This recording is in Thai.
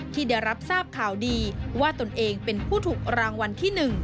ที่ได้รับทราบข่าวดีว่าตนเองเป็นผู้ถูกรางวัลที่๑